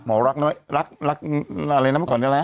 หมอรักอะไรนะทีกว่านี้แหละ